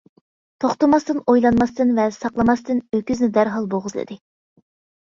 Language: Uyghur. توختىماستىن، ئويلانماستىن ۋە ساقلىماستىن ئۆكۈزنى دەرھال بوغۇزلىدى.